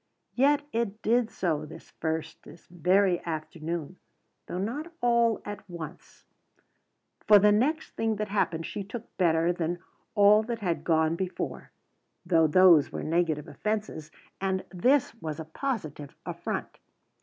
Yet it did so this first, this very afternoon, though not all at once. For the next thing that happened she took better than all that had gone before, though those were negative offences, and this was a positive affront.